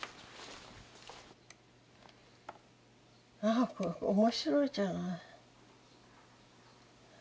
あこれ面白いじゃない。